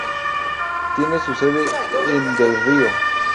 Tiene su sede en Del Río.